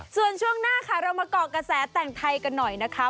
ส่วนช่วงหน้าค่ะเรามาเกาะกระแสแต่งไทยกันหน่อยนะคะ